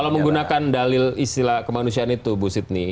kalau menggunakan dalil istilah kemanusiaan itu bu sydney